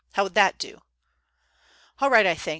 How would that do?" "All right, I think.